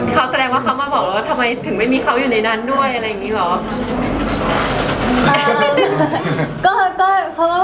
เขาแสดงว่าเขามาบอกแล้วว่าทำไมถึงไม่มีเขาอยู่ในนั้นด้วยอะไรอย่างนี้เหรอ